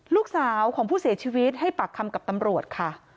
ลูกสาวของผู้เสียชีวิตให้ปากคำกับตำรวจค่ะ